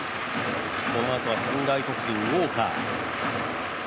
このあとは新外国人・ウォーカー。